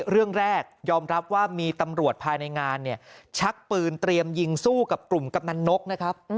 เรื่องแรกยอมรับว่ามีตำรวจภายในงานเนี่ยชักปืนเตรียมยิงสู้กับกลุ่มกำนันนกนะครับ